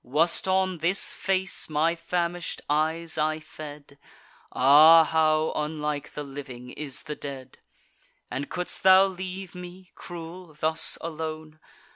Was't on this face my famish'd eyes I fed? Ah! how unlike the living is the dead! And could'st thou leave me, cruel, thus alone?